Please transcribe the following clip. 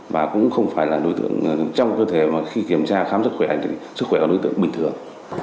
và cũng không phải là đối tượng trong cơ thể mà khi kiểm tra khám sức khỏe thì sức khỏe là đối tượng bình thường